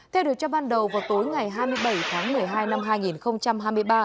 theo điều tra ban đầu vào tối ngày hai mươi bảy tháng một mươi hai năm hai nghìn hai mươi ba